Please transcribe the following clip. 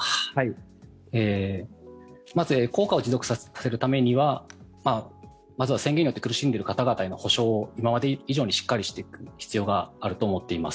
まず、効果を持続させるためにはまずは宣言によって苦しんでいる方々への補償を今まで以上にしっかりしていく必要があると思います。